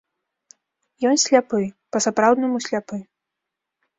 Ён сляпы, па-сапраўднаму сляпы.